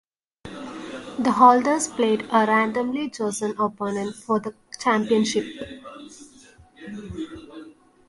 The holders played a randomly chosen opponent for the championship.